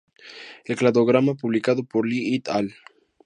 El cladograma publicado por Lee "et al.